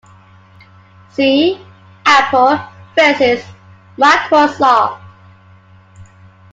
"See:" "Apple versus Microsoft".